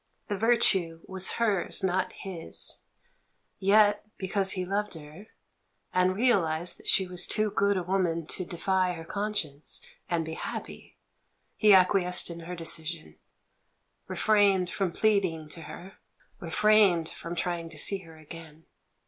The virtue was hers, not his ; yet because he loved her, and realised that she was too good a woman to defy her conscience and be happy, he acqui esced in her decision — refrained from pleading to her, refrained from trying to see her again.